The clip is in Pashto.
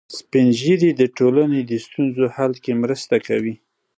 سپین ږیری د ټولنې د ستونزو حل کې مرسته کوي